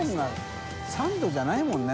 サンドじゃないもんね。